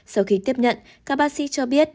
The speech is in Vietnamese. sau khi tiếp nhận các bác sĩ cho biết